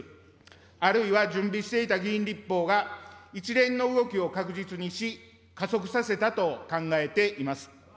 あるいは準備していた議員立法が、一連の動きを確実にし、加速させたと考えています。